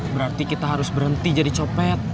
berarti kita harus berhenti jadi copet